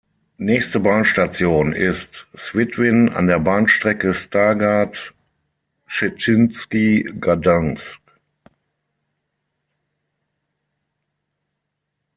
Nächste Bahnstation ist Świdwin an der Bahnstrecke Stargard Szczeciński–Gdańsk.